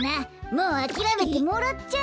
もうあきらめてもらっちゃえよ。